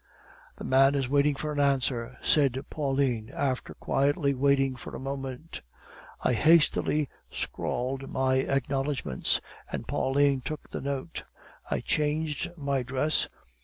"'The man is waiting for an answer,' said Pauline, after quietly waiting for a moment. "I hastily scrawled my acknowledgements, and Pauline took the note. I changed my dress.